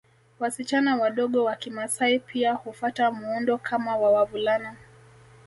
Wasichana wadogo wa kimaasai pia hufata muundo kama wa wavulana